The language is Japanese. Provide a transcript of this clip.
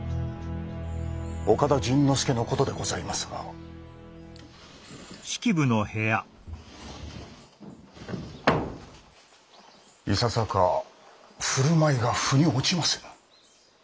岡田甚之助の事でございますがいささか振る舞いが腑に落ちませぬ。